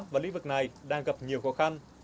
và lĩnh vực này đang gặp nhiều khó khăn